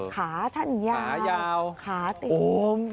ยังจำได้เลยขาท่านยาวขาติได้